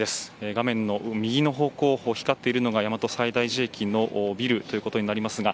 画面の右の方向、光っているのが大和西大寺駅のビルということになります。